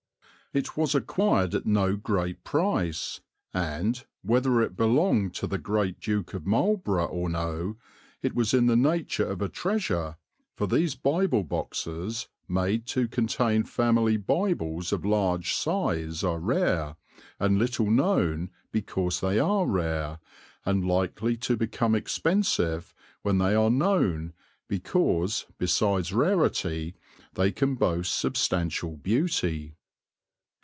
It was acquired at no great price, and, whether it belonged to the great Duke of Marlborough or no, it was in the nature of a treasure, for these Bible boxes, made to contain family Bibles of large size, are rare, and little known because they are rare, and likely to become expensive when they are known because, besides rarity, they can boast substantial beauty.